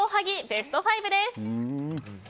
ベスト５です。